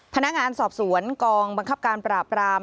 พนักงานสอบสวนกองบังคับการปราบราม